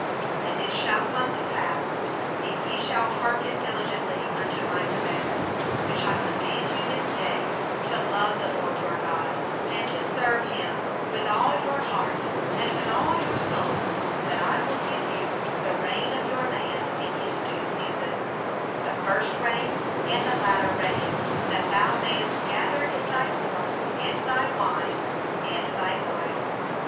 11 13And it shall come to pass, if ye shall hearken diligently unto My commandments which I command you this day, to love the LORD your God, and to serve Him with all your heart and with all your soul, 14that I will give the rain of your land in its season, the former rain and the latter rain, that thou mayest gather in thy corn, and thy wine, and thine oil.